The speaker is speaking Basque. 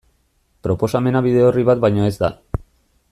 Proposamena bide orri bat baino ez da.